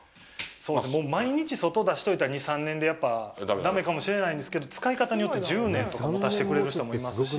そうですね、もう毎日、外に出しといたら２３年でやっぱりダメかもしれないんですけど、使い方によっては１０年とかもたしてくれる人もいますし。